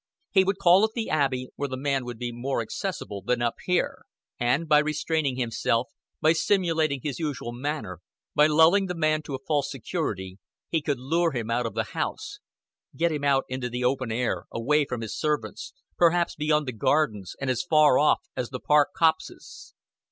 He could call at the Abbey, where the man would be more accessible than up here; and, by restraining himself, by simulating his usual manner, by lulling the man to a false security, he could lure him out of the house get him out into the open air, away from his servants, perhaps beyond the gardens and as far off as the park copses.